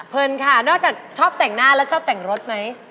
ค่ะนอกจากชอบแต่งหน้าแล้วชอบแต่งรถไหม